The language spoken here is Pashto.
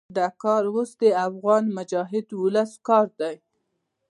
دا کار اوس د افغان مجاهد ولس کار دی.